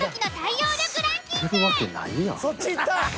そっちいった！